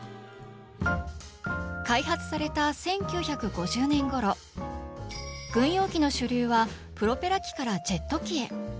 開発された１９５０年ごろ軍用機の主流はプロペラ機からジェット機へ。